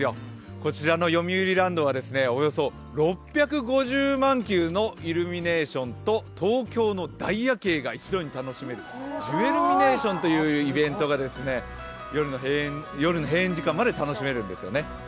こちらのよみうりランドは、およそ６５０万球のイルミネーションと東京の大夜景が一度に楽しめるジュエルミネーションというイベントが夜の閉園時間まで楽しめるんですよね。